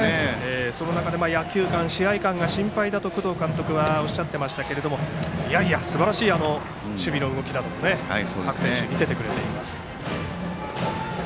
その中で、野球勘試合勘が心配だと工藤監督はおっしゃっていましたがいやいやすばらしい守備の動きを各選手が見せてくれています。